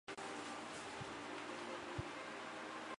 蹒跚在沙漠之中